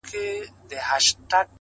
د رڼا او سیوري حرکت د دیوال شکل بدلوي؛